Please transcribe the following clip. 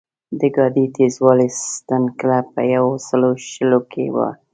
د ګاډۍ تېزوالي ستن کله په یو سلو شلو کې وه.